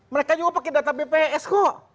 mereka juga pakai data bps kok